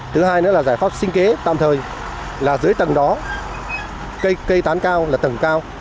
thứ hai nữa là giải pháp sinh kế tạm thời là dưới tầng đó cây tán cao là tầng cao